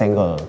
jadi ngerti kok